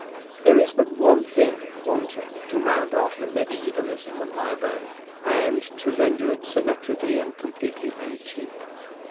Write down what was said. There is but one thing wanting to round off the mediævalism of my abode, and to render it symmetrically and completely antique.